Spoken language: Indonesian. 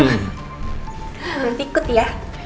berhenti ikut ya